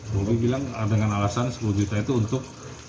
publik bilang dengan alasan sepuluh juta itu untuk